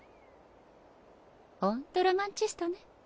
ホントロマンチストね。